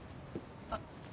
あっ。